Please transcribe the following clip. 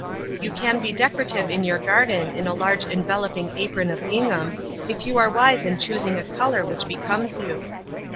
You can be decorative in your garden in a large enveloping apron of gingham, if you are wise in choosing a colour which becomes you.